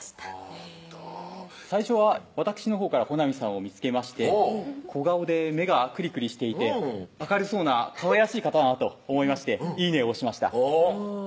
ほんと最初はわたくしのほうから穂南さんを見つけまして小顔で目がクリクリしていて明るそうなかわいらしい方だなと思いましていいねを押しましたおぉっ